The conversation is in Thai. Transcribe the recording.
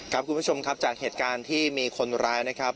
คุณผู้ชมครับจากเหตุการณ์ที่มีคนร้ายนะครับ